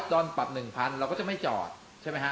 จนปรับหนึ่งพันเราก็จะไม่จอดใช่ไหมฮะ